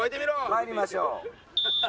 参りましょう。